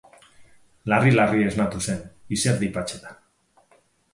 Larri-larri esnatu zen, izerdi patsetan.